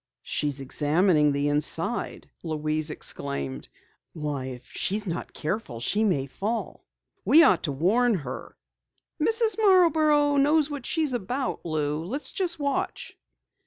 "She's examining the inside!" Louise exclaimed. "Why, if she's not careful, she may fall. We ought to warn her " "Mrs. Marborough knows what she is about, Lou. Let's just watch."